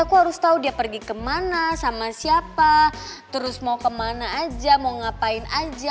aku harus tahu dia pergi kemana sama siapa terus mau kemana aja mau ngapain aja